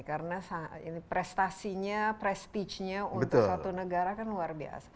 karena prestasinya prestigenya untuk satu negara kan luar biasa